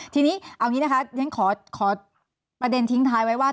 ทีนี้เอาอย่างนี้นะคะฉันขอประเด็นทิ้งท้ายไว้ว่า